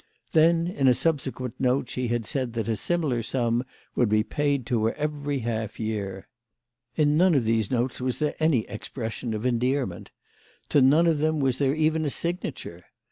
Then in a subsequent note she had said that a similar sum would be paid to her every half year. In none of these notes was there any expression of endearment. To none of them was there even a signature.